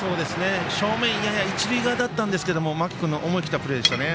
正面やや一塁側だったんですが間木君の思い切ったプレーでした。